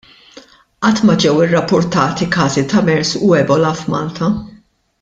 Qatt ma ġew irrappurtati każi ta' Mers u Ebola f'Malta.